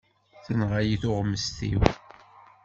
Tenɣa-iyi tuɣmest-iw.